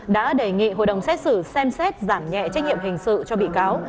đã đề nghị hội đồng xét xử xem xét giảm nhẹ trách nhiệm hình sự cho bị cáo